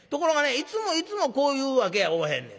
いつもいつもこういうわけやおまへんねん。